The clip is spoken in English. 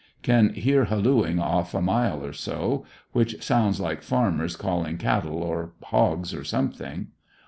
Can hear hallooing off a mile or so, which sounds like farmers call ing cattle or hogs or something.